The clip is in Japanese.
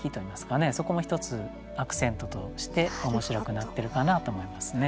そこも一つアクセントとして面白くなってるかなと思いますね。